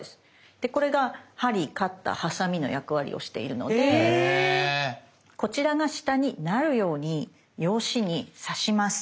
でこれが針カッターハサミの役割をしているのでこちらが下になるように用紙に刺します。